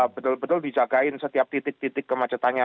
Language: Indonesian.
betul betul dijagain setiap titik titik kemacetannya